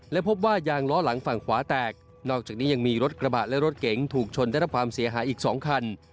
และพบว่ายางล้อหลังฝั่งขวาแตกนอกจากนี้ยังมีรถกระบะและรถเก๋งถูกชนได้รับความเสียหายอีก๒คัน